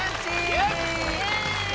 イエイ！